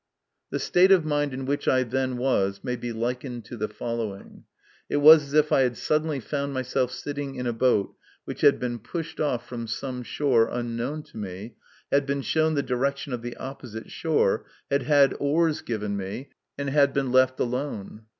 The state of mind in which I then was may be likened to the following. It was as if \ had suddenly found myself sitting in a boat which had been pushed off from some shore unknown to me, had been shown the direction of the opposite shore, had had oars given me, 116 MY CONFESSION. and had been left alone.